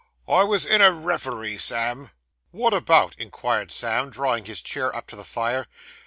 'I was in a referee, Sammy.' 'Wot about?' inquired Sam, drawing his chair up to the fire.